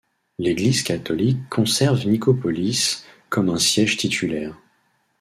L'Église catholique conserve Nicopolis comme un siège titulaire.